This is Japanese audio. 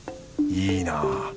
いいなぁ。